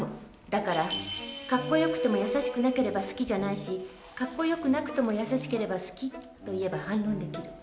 だからカッコよくても優しくなければ好きじゃないしカッコよくなくとも優しければ好きと言えば反論できる。